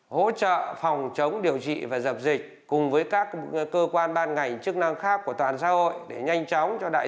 hỗ trợ phòng chống điều trị và dập dịch cùng với các cơ quan ban ngành chức năng khác của toàn xã hội